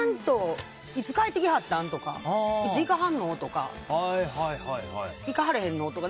いつ帰ってきはったん？とかいかはんのとかいかはれへんのとか。